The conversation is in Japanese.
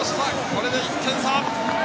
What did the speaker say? これで１点差。